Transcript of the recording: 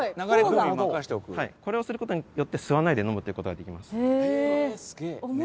これをする事によって吸わないで飲むという事ができます。